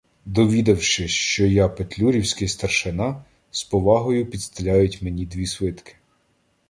Довідавшись, що я "петлюрівський" старшина, — з повагою підстеляють мені дві свитки.